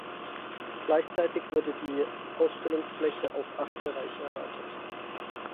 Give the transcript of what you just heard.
Gleichzeitig wurde die Ausstellungsfläche auf acht Bereiche erweitert.